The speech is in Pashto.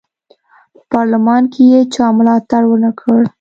په پارلمان کې یې چا ملاتړ ونه کړ.